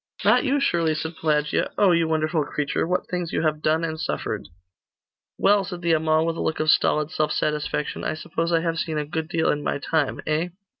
'Not you, surely,' said Pelagia. 'Oh, you wonderful creature! what things you have done and suffered!' 'Well,' said the Amal, with a look of stolid self satisfaction, 'I suppose I have seen a good deal in my time, eh?